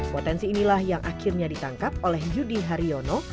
potensi inilah yang akhirnya ditangkap oleh yudi haryono